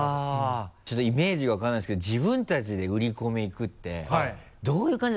ちょっとイメージが湧かないんですけど自分たちで売り込みに行くってどういう感じなの？